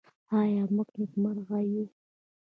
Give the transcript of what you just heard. آیا موږ نېکمرغه یو؟